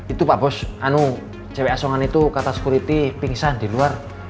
itu pak bos anu cewek asongan itu kata sekuriti pingsan di luar